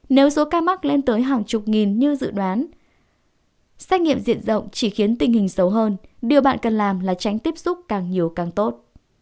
nếu số ca mắc lên tới hàng chục nghìn như dự đoán xét nghiệm diện rộng chỉ khiến tình hình xấu hơn điều bạn cần làm là tránh tiếp xúc càng nhiều càng tốt